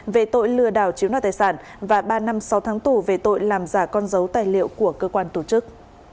về tội lừa đảo chiếu nọ tài sản và ba năm sáu tháng tù về tội làm giả con dấu tài liệu của cơ quan tổ chức